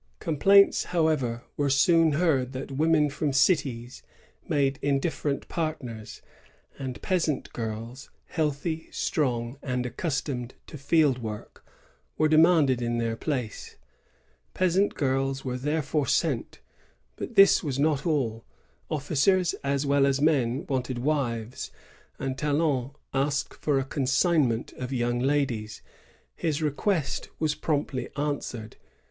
Complaints, however, were soon heard that women from cities made indifferent partners ; and peasant girls, healthy, strong, and accustomed to field work, were demanded in their place. Peasant girls were therefore sent; but this was not all. Officers as well as men wanted wives; and Talon asked for a consignment of young ladies. His request was promptly answered.